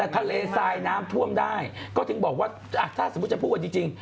ทะเลทรายน้ำท่วมได้ก็ถึงบอกว่าถ้าสมมุติจะพูดกันจริง